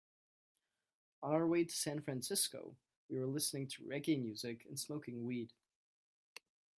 On our way to San Francisco, we were listening to reggae music and smoking weed.